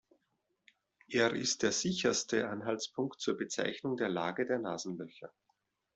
Er ist der sicherste Anhaltspunkt zur Bezeichnung der Lage der Nasenlöcher.